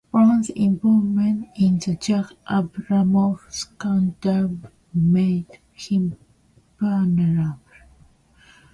Burns' involvement in the Jack Abramoff scandal made him vulnerable.